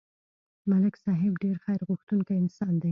ملک صاحب ډېر خیرغوښتونکی انسان دی